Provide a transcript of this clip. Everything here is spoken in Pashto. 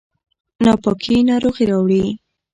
ناپاکي ناروغي راوړي